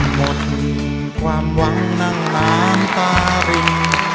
หมดความหวังนั่งน้ำตาริน